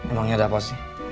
emangnya ada apa sih